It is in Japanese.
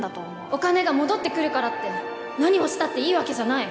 お金が戻ってくるからって何をしたっていいわけじゃない